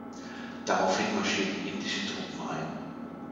Daraufhin marschierten indische Truppen ein.